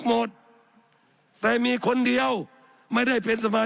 สับขาหลอกกันไปสับขาหลอกกันไป